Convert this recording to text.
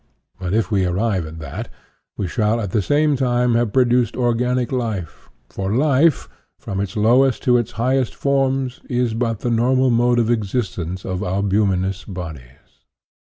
But if we arrive at that, we shall at the same time have produced organic life, for life, from its lowest to its highest forms, is but the normal mode of existence of albuminous bodies.